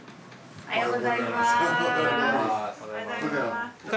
・おはようございます。